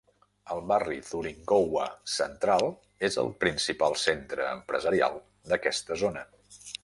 El barri Thuringowa Central és el principal centre empresarial d'aquesta zona.